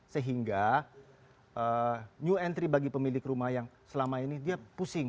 sehingga new entry bagi pemilik rumah yang selama ini dia pusing